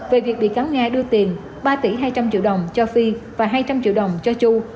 về việc bị cáo nga đưa tiền ba tỷ hai trăm linh triệu đồng cho phi và hai trăm linh triệu đồng cho chu